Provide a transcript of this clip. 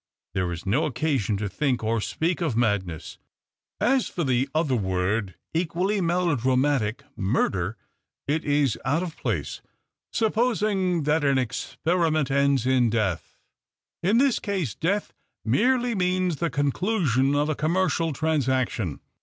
There is no occasion to think or speak of mad ness. As for the other word equally melo dramatic, murder, it is out of place. Supposing that an experiment ends in death — in this case death merely means the conclusion of a com mercial transaction.